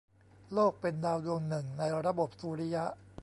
โลกเป็นดาวดวงหนึ่ง ในระบบสุริยะ